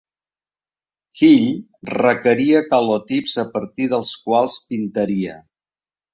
Hill requeria calotips a partir dels quals pintaria.